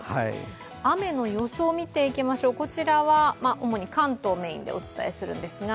雨の予想を見ていきましょう、こちらは主に関東メインでお伝えするんですが。